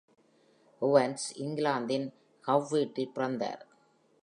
Evans இங்கிலாந்தின் கக்ஃபீல்டில் பிறந்தார்.